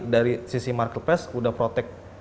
dari sisi marketplace udah protect